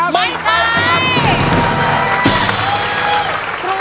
ไม่ใช่ครับ